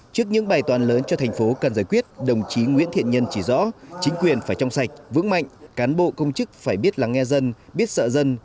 trước những bài toàn lớn cho thành phố cần giải quyết đồng chí nguyễn thiện nhân chỉ rõ chính quyền phải trong sạch vững mạnh cán bộ công chức phải biết lắng nghe dân biết sợ dân